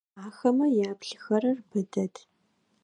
Ахэмэ яплъыхэрэр бэ дэд.